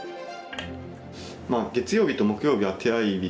月曜日と木曜日は手合い日で。